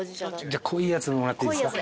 濃いやつもらっていいですか？